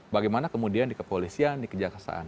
bagaimana kemudian di kepolisian di kejaksaan